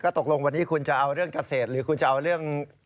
ตกลงวันนี้คุณจะเอาเรื่องเกษตรหรือคุณจะเอาเรื่อง